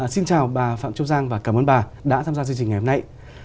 xin chào bà phạm châu giang và cảm ơn bà đã tham gia chương trình ngày hôm nay